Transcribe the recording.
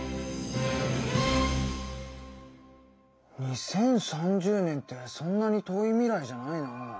２０３０年ってそんなに遠い未来じゃないな。